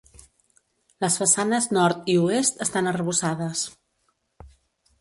Les façanes Nord i Oest estan arrebossades.